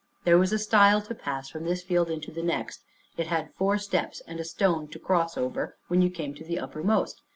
There was a stile to pass from this field into the next. It had four steps, and a stone to cross over when you come to the uppermost.